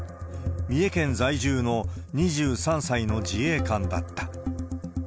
三重県在住の２３歳の自衛官だった。